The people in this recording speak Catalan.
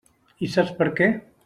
I saps per què?